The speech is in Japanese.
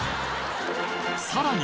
さらに